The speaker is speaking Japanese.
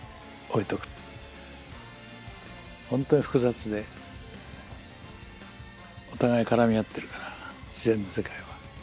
本当に複雑でお互い絡み合ってるから自然の世界は。